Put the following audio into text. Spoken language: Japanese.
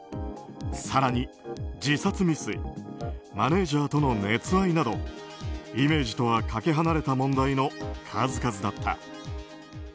更に、自殺未遂マネジャーとの熱愛などイメージとはかけ離れた問題の数々だった。